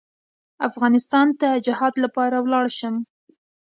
افغانستان ته جهاد لپاره ولاړ شم.